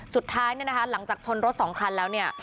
สุดท้ายเนี่ยนะคะหลังจากชนรถสองคันแล้วเนี่ย